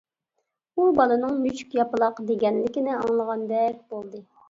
ئۇ بالىنىڭ «مۈشۈك ياپىلاق» دېگەنلىكىنى ئاڭلىغاندەك بولدى.